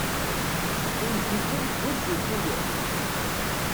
Ungifen ttɛuzzun tuyat.